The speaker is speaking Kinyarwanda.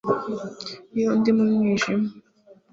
iyo ndi mu mwijima